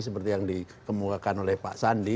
seperti yang dikemukakan oleh pak sandi